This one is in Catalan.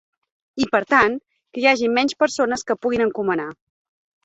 I per tant, que hi hagi menys persones que puguin encomanar.